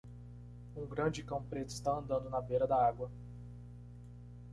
Um grande cão preto está andando na beira da água.